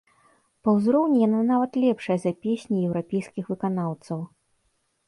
Па ўзроўні яна нават лепшая за песні еўрапейскіх выканаўцаў.